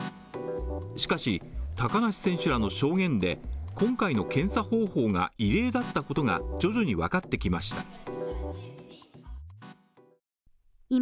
しかし高梨選手らの証言で今回の検査方法が異例だったことが徐々に分かってきました。